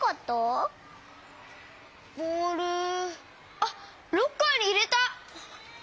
あっロッカーにいれた。